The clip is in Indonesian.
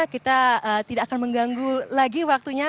kita tidak akan mengganggu lagi waktunya